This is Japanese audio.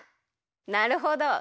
なるほど。